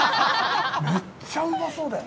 めっちゃうまそうだよ。